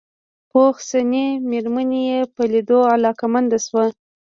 پوخ سنې مېرمن يې په ليدو علاقه منده شوه.